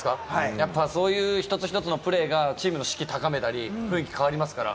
やっぱり一つ一つのプレーがチームの士気を高めたり、雰囲気、変わりますから。